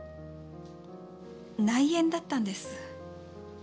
内縁だったんです。